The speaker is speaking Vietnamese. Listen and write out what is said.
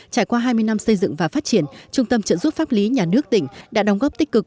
trải qua hai mươi năm xây dựng và phát triển trung tâm trợ giúp pháp lý nhà nước tỉnh đã đóng góp tích cực